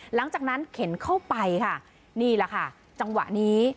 หลังจากนั้นเข็นเข้าไปค่ะนี่แหละค่ะจังหวะนี้